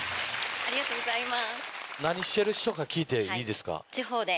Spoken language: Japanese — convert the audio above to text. ありがとうございます。